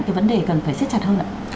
cái vấn đề cần phải xếp chặt hơn ạ